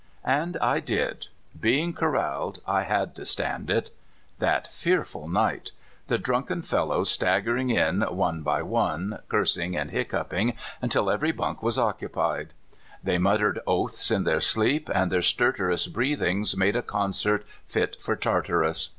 And I did; being corraled, I had to stand it. That fearful night! The drunken fellows stag CORRALED. 20I gered in one by one, cursing and hiccoughing, until every bunk was occupied. They muttered oaths in their sleep, and their stertorous breathings made a concert fit for Tartarus.